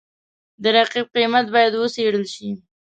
د رقیب قیمت باید وڅېړل شي.